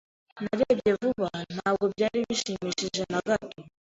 Narebye vuba. Ntabwo byari bishimishije na gato.